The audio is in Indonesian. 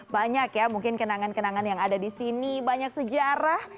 banyak ya mungkin kenangan kenangan yang ada di sini banyak sejarah